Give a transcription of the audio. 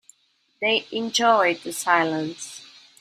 They enjoyed the silence.